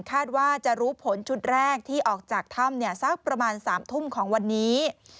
คาดว่าจะรู้ผลชุดแรกที่ออกจากถ้ำสักประมาณ๓ทุ่มของวันนี้